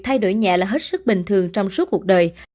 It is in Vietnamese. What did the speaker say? thay đổi nhẹ là hết sức bình thường trong suốt cuộc đời